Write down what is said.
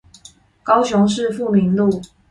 高雄市富民路